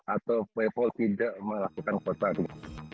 atau paypal tidak melakukan kuotaris